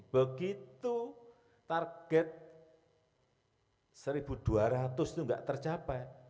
begitu target rp satu dua ratus itu enggak tercapai